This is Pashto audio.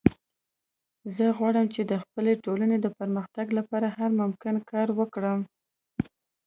زه غواړم چې د خپلې ټولنې د پرمختګ لپاره هر ممکن کار وکړم